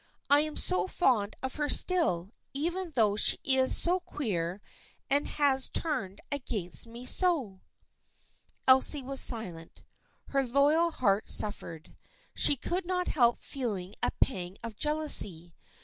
I am so fond of her still, even though she is so queer and has turned against me so !" Elsie was silent. Her loyal heart suffered. She could not help feeling a pang of jealousy.